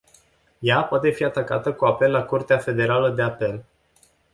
Ea poate fi atacată cu apel la curtea federală de apel.